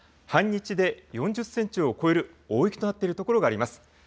半日で、４０センチを超える大雪となっているところがあります。